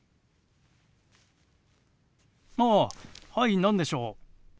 ああはい何でしょう？